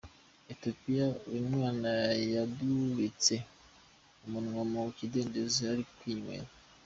Ethiopia; uyu mwana yadubitse umunwa mu kidendezi ari kwinywera.